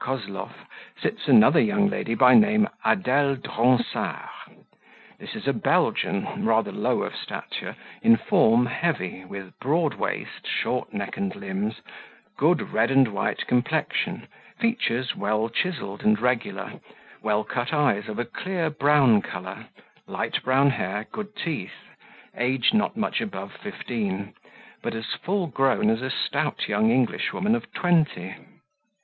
Koslow sits another young lady by name Adele Dronsart: this is a Belgian, rather low of stature, in form heavy, with broad waist, short neck and limbs, good red and white complexion, features well chiselled and regular, well cut eyes of a clear brown colour, light brown hair, good teeth, age not much above fifteen, but as full grown as a stout young Englishwoman of twenty.